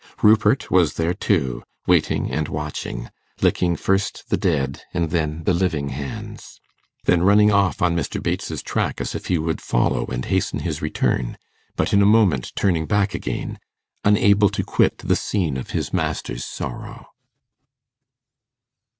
Rupert was there too, waiting and watching; licking first the dead and then the living hands; then running off on Mr. Bates's track as if he would follow and hasten his return, but in a moment turning back again, unable to quit the scene of his master's sorrow.